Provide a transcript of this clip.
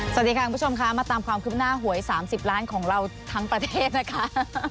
สวัสดีค่ะคุณผู้ชมค่ะมาตามความคืบหน้าหวย๓๐ล้านของเราทั้งประเทศนะคะ